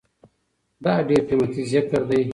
دا ډير قيمتي ذکر دی